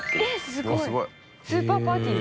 すごいスーパーパーティー。